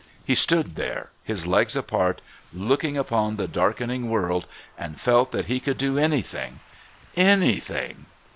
He stood there, his legs apart, looking upon the darkening world and felt that he could do anything anything...